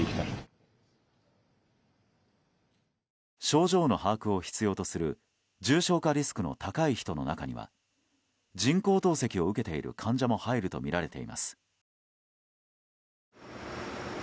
症状の把握を必要とする重症化リスクの高い人の中には人工透析を受けている患者も入るとみられています。